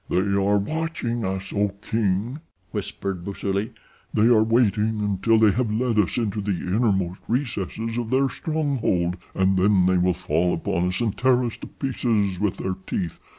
"They are watching us, O king," whispered Busuli. "They are waiting until they have led us into the innermost recesses of their stronghold, and then they will fall upon us and tear us to pieces with their teeth.